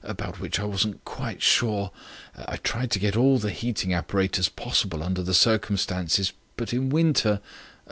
about which I wasn't quite sure. I tried to get all the heating apparatus possible under the circumstances ... but in winter...